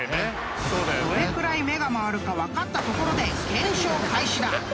［どれくらい目が回るか分かったところで］